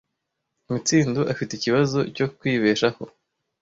Mitsindo afite ikibazo cyo kwibeshaho.